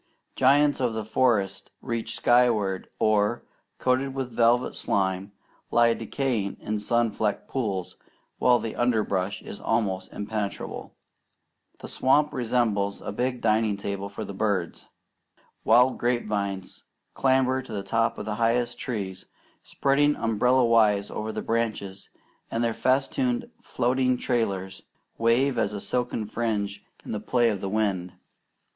Giants of the forest reach skyward, or, coated with velvet slime, lie decaying in sun flecked pools, while the underbrush is almost impenetrable. The swamp resembles a big dining table for the birds. Wild grape vines clamber to the tops of the highest trees, spreading umbrella wise over the branches, and their festooned floating trailers wave as silken fringe in the play of the wind.